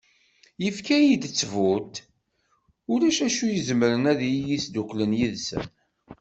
Yefka-yi-d ttbut ulac acu izemren ad iyi-isdukel yid-sen.